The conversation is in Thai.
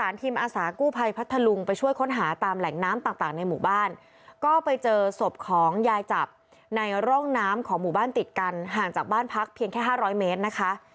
ในโรงน้ำของหมู่บ้านติดกันห่างจากบ้านพักเพียงแค่๕๐๐เมตรนะคะ